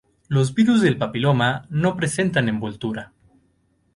Los virus del papiloma no presentan envoltura.